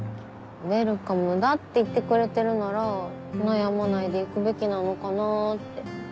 ウエルカムだって言ってくれてるなら悩まないで行くべきなのかなって。